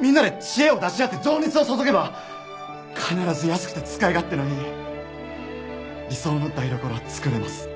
みんなで知恵を出し合って情熱を注げば必ず安くて使い勝手のいい理想の台所は作れます。